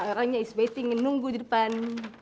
orangnya is waiting nunggu di depan